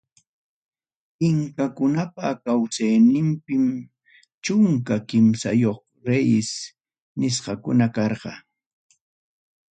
Inkakunapa kawsayninpim chunka kimsayuq reyes nisqakuna karqa.